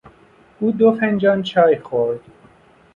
او دو فنجان چای خورد.